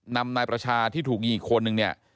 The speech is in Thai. นำนายประชาที่ถูกยิงอีกคนนึงเนี่ย